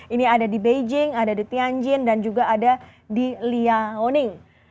ini ada di beijing ada di tianjin dan juga ada di lia oning